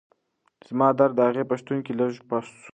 زما درد د هغې په شتون کې لږ پڅ شو.